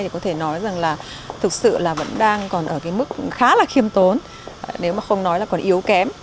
thì có thể nói rằng là thực sự vẫn đang ở mức khá là khiêm tốn nếu mà không nói là còn yếu kém